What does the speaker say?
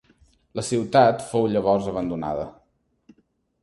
La ciutat fou llavors abandonada.